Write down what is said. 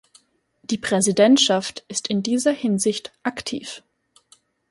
Die Präsidentschaft ist in dieser Hinsicht aktiv.